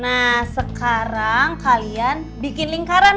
nah sekarang kalian bikin lingkaran